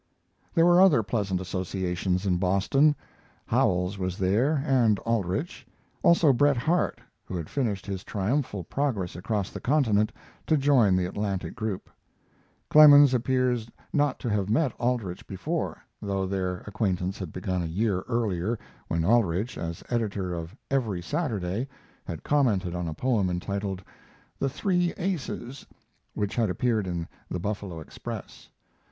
There were other pleasant associations in Boston. Howells was there, and Aldrich; also Bret Harte, who had finished his triumphal progress across the continent to join the Atlantic group. Clemens appears not to have met Aldrich before, though their acquaintance had begun a year earlier, when Aldrich, as editor of Every Saturday, had commented on a poem entitled, "The Three Aces," which had appeared in the Buffalo Express.